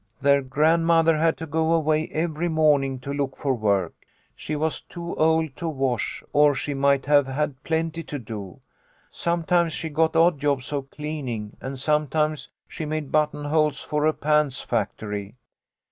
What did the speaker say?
" Their grandmother had to go away every morning to look for work. She was too old to wash, or she might have had plenty to do. Sometimes she got odd jobs of cleaning, and sometimes she made button holes for a pants factory.